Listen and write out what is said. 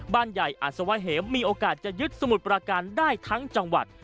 ใหญ่อัศวะเหมมีโอกาสจะยึดสมุทรประการได้ทั้งจังหวัด